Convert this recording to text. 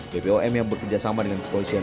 bpom yang bekerjasama dengan kepolisian